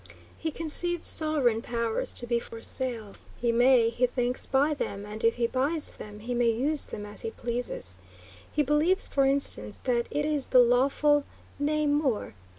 He conceives sovereign powers to be for sale. He may, he thinks, buy them; and if he buys them; he may use them as he pleases. He believes, for instance, that it is the lawful, nay more!